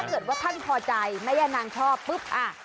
ถ้าเกิดว่าท่านพอใจแม่ย่านางชอบปุ๊บอ่ะ